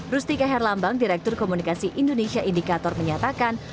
rustika herlambang direktur komunikasi indonesia indikator menyatakan